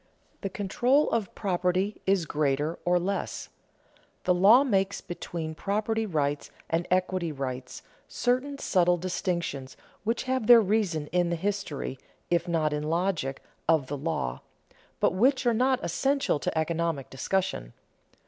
The control of property is greater or less. The law makes between property rights and equity rights certain subtle distinctions which have their reason in the history, if not in the logic, of the law, but which are not essential to economic discussion.